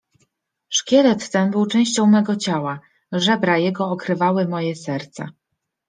Szkielet ten był częścią mego ciała, żebra jego okrywały moje serce.